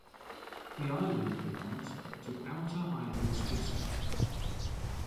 The island belongs to Outer Islands District.